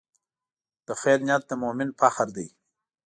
د خیر نیت د مؤمن فخر دی.